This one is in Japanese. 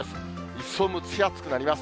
一層蒸し暑くなります。